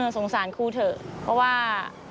สงสารครูเถอะเพราะว่า